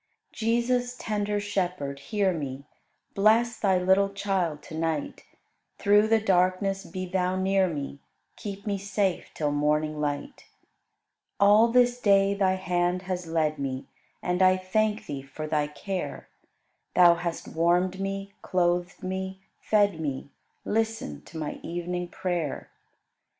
Jesus, tender Shepherd, hear me: Bless Thy little child to night; Through the darkness be Thou near me, Keep me safe till morning light. All this day Thy hand has led me, And I thank Thee for Thy care; Thou hast warmed me, clothed me, fed me; Listen to my evening prayer.